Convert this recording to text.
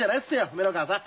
梅ノ川さん。